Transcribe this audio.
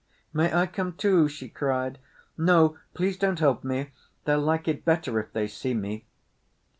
"May I come too?" she cried. "No, please don't help me. They'll like it better if they see me."